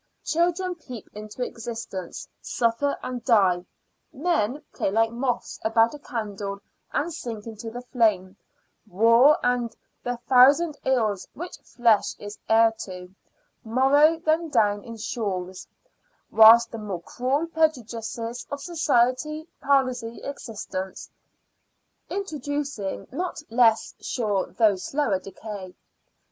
Children peep into existence, suffer, and die; men play like moths about a candle, and sink into the flame; war, and "the thousand ills which flesh is heir to," mow them down in shoals; whilst the more cruel prejudices of society palsy existence, introducing not less sure though slower decay.